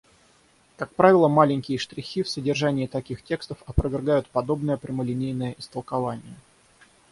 Как правило, маленькие штрихи в содержании таких текстов опровергают подобное прямолинейное истолкование.